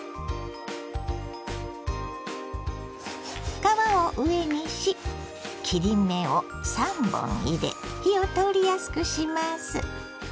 皮を上にし切り目を３本入れ火を通りやすくします。